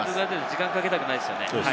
時間かけたくないですよね。